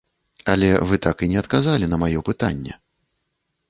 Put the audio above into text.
Але вы так і не адказалі на маё пытанне.